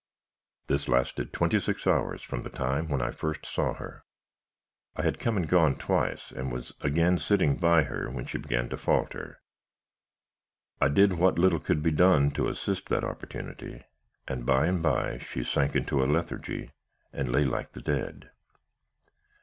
"This lasted twenty six hours from the time when I first saw her. I had come and gone twice, and was again sitting by her, when she began to falter. I did what little could be done to assist that opportunity, and by and bye she sank into a lethargy, and lay like the dead.